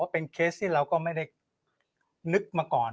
เป็นเคสที่เราก็ไม่ได้นึกมาก่อน